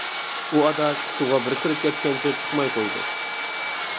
ئۇ ئاداش سۇغا بىر كىرىپ كەتكەنچە چىقماي قويىدۇ.